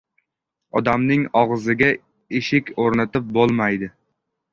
• Odamning og‘ziga eshik o‘rnatib bo‘lmaydi.